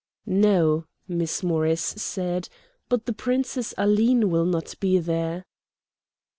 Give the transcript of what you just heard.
"No," Miss Morris said; "but the Princess Aline will not be there."